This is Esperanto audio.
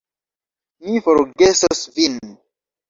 Mi forgesos vin.